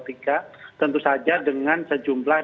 dan juga tentu saja dengan sejumlah